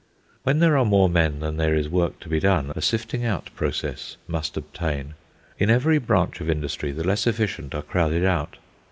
When there are more men than there is work to be done, a sifting out process must obtain. In every branch of industry the less efficient are crowded out.